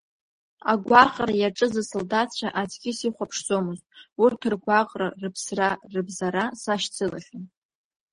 Агәаҟра иаҿыз асалдаҭцәа аӡәгьы сихәаԥшӡомызт, урҭ ргәаҟра, рыԥсра, рыбзара сашьцылахьан.